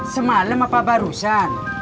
semalam apa barusan